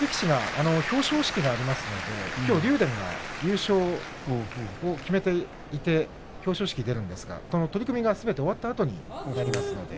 表彰式がありますのできょうは竜電も優勝を決めていて表彰式に出るのでこの取組が終わったあとになります。